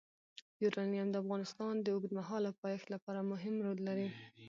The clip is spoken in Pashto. یورانیم د افغانستان د اوږدمهاله پایښت لپاره مهم رول لري.